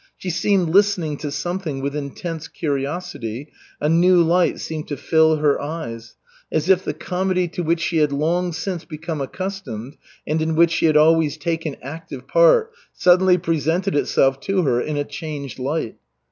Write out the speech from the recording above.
She seemed listening to something with intense curiosity, a new light seemed to fill her eyes, as if the comedy to which she had long since become accustomed and in which she had always taken active part, suddenly presented itself to her in a changed light.